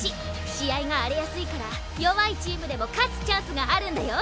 試合が荒れやすいから弱いチームでも勝つチャンスがあるんだよ。